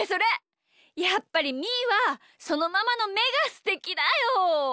やっぱりみーはそのままのめがすてきだよ！